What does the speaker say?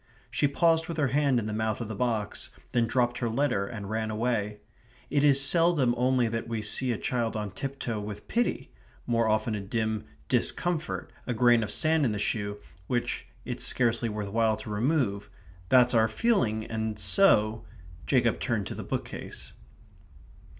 She paused with her hand in the mouth of the box; then dropped her letter and ran away. It is seldom only that we see a child on tiptoe with pity more often a dim discomfort, a grain of sand in the shoe which it's scarcely worth while to remove that's our feeling, and so Jacob turned to the bookcase.